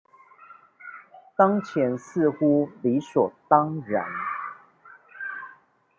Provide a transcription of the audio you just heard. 當前似乎理所當然